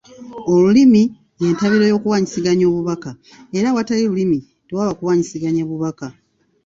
Olulimi y’entabiro y’okuwaanyisiganya obubaka era awatali lulimi tewaba kuwaanyisiganya bubaka.